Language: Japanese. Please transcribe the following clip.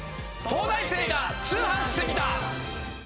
『東大生が通販してみた！！』